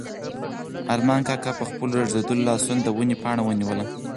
ارمان کاکا په خپلو رېږدېدلو لاسو د ونې پاڼه ونیوله.